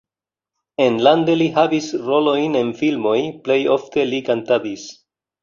Enlande li havis rolojn en filmoj, plej ofte li kantadis.